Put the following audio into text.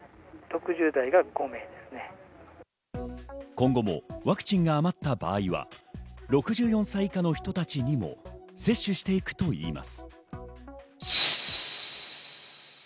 今後もワクチンが余った場合は、６４歳以下の人たちにも接種していくといいます。